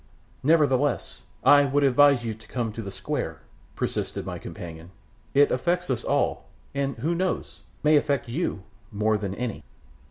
"Nevertheless, I would advise you to come to the square," persisted my companion. "It affects us all, and who knows? may affect you more than any."